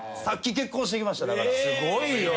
さっき結婚してきました。